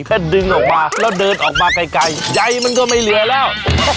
ดึงออกมาแล้วเดินออกมาไกลใยมันก็ไม่เหลือแล้ว